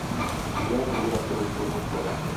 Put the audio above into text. Jiné kombinace nejsou možné.